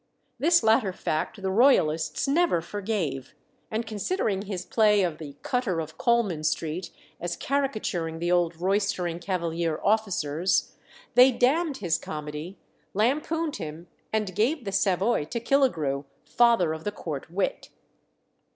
This latter fact the Royalists never forgave, and considering his play of The Cutter of Colman Street as caricaturing the old roystering Cavalier officers, they damned his comedy, lampooned him, and gave the Savoy to Killigrew, father of the court wit.